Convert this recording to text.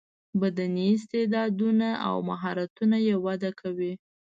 بدني استعداونه او مهارتونه یې وده کوي.